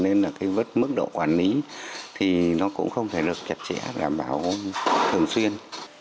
nên là cái vứt mức độ quản lý thì nó cũng không thể được chặt chẽ đảm bảo thường xuyên